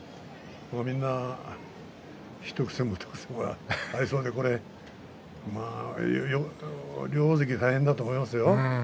みんな一癖も二癖もありそうで両大関、大変だと思いますよ。